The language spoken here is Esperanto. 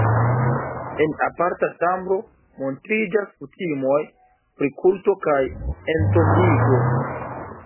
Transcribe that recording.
En aparta ĉambro montriĝas kutimoj pri kulto kaj entombigo.